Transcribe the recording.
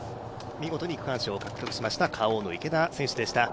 見事に区間賞を獲得しましたＫａｏの池田選手でした。